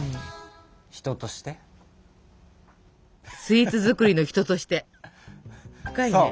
深いねスイーツ作りの人として。